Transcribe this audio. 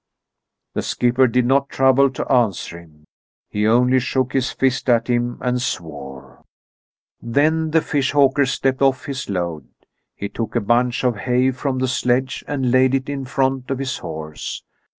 The skipper did not trouble to answer him. He only shook his fist at him and swore. Then the fish hawker stepped off his load. He took a bunch of hay from the sledge and laid it in front of his horse.